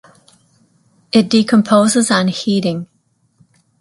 It decomposes on heating.